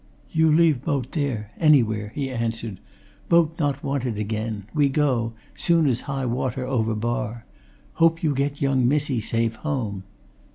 "You leave boat there anywhere," he answered. "Boat not wanted again we go, soon as high water over bar. Hope you get young missie safe home."